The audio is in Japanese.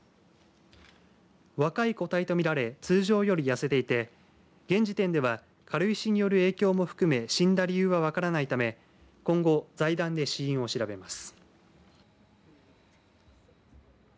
若い個体とみられ通常よりやせていて現時点では軽石による影響も含め死んだ理由は分からないため今後、財団で死因を調べます。